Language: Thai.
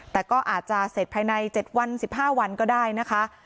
แต่ก็อาจจะเสร็จภายใน๗วัน๑๕วันก็ได้นะคะ